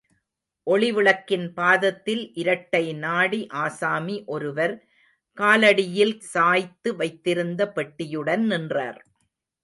ஒளிவிளக்கின் பாதத்தில் இரட்டை நாடி ஆசாமி ஒருவர் காலடியில் சாய்த்து வைத்திருந்த பெட்டியுடன் நின்றார்.